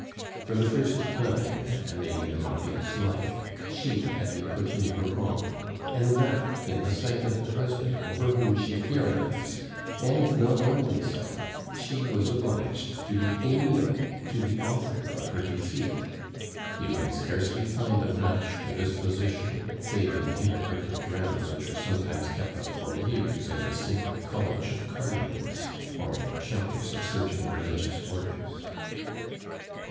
For the first time in Amelie de Marville's life she had been put in the wrong, and that in the sight of the husband over whom she tyrannized; and not only so she was obliged to be amiable to the author of her defeat! You can scarcely find a match for this position save in the hypocritical dramas which are sometimes kept up for years in the sacred college of cardinals, or in chapters of certain religious orders.